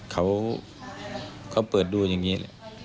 เขาเปิดดูอย่างนี้